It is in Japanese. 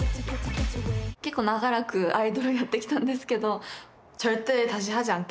結構長らくアイドルをやってきたんですけど。